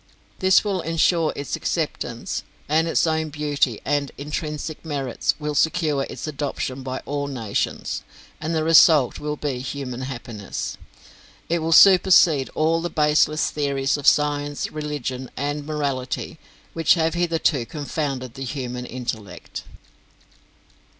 This will ensure its acceptance and its own beauty and intrinsic merits will secure its adoption by all nations, and the result will be human happiness. It will supersede all the baseless theories of science, religion, and morality which have hitherto confounded the human intellect.